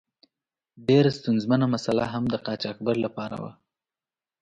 ډیره ستونزمنه مساله هم د قاچاقبر له پاره وه.